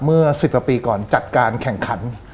เมื่อ๑๐กว่าปีก่อนจัดการแข่งขัน